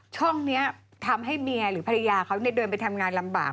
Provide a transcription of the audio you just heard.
ช่องนี้ทำให้เมียหรือภรรยาเขาเดินไปทำงานลำบาก